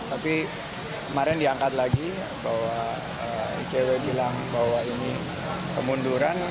tapi kemarin diangkat lagi bahwa icw bilang bahwa ini kemunduran